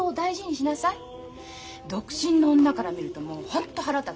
独身の女から見るともうホント腹立つわ。